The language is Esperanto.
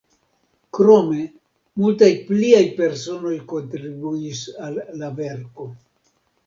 Krome multaj pliaj personoj kontribuis al la verko.